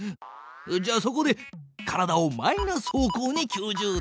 じゃあそこで体をマイナス方向に９０度回転！